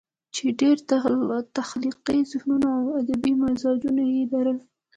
چې ډېر تخليقي ذهنونه او ادبي مزاجونه ئې لرل